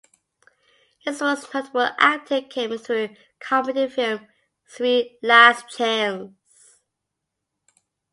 His most notable acting came through comedy film "Sri Last Chance".